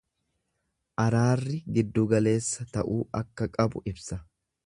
Araarri giddugaleessa ta'uu akka qabu ibsa.